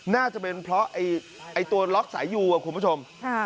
น่าจะเป็นเพราะตัวล็อกสายอยู่คุณผู้ชม